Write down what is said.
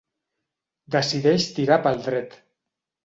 Decideix tirar pel dret.